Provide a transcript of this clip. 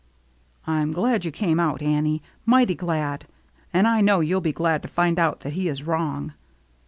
" I'm glad you came out, Annie, mighty glad. And I know you'll be glad to find out that he is wrong."